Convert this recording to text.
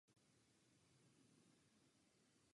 Zpívat se naučila ve sboru sirotčince.